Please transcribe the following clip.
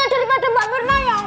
daripada mbak mirna yang